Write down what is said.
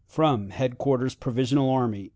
"Headquarters Provisional Army, C.